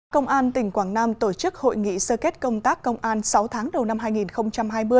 công an tỉnh quảng nam tổ chức hội nghị sơ kết công tác công an sáu tháng đầu năm hai nghìn hai mươi